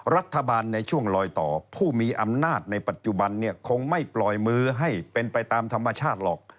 รัฐบาลในช่วงลอยต่อผู้มีอำนาจในปัจจุบันเนี่ยคงไม่ปล่อยมือให้เป็นไปตามธรรมชาติหรอก